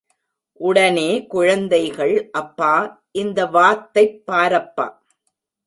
உடனே குழந்தைகள், அப்பா, இந்த வாத்தைப் பாரப்பா!